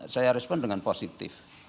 saya respon dengan positif